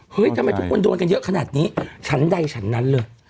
ทำไมทุกคนโดนกันเยอะขนาดนี้ฉันใดฉันนั้นเลย